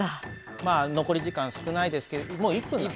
まあ残り時間少ないですけどもう１分なんですね。